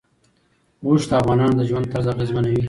اوښ د افغانانو د ژوند طرز اغېزمنوي.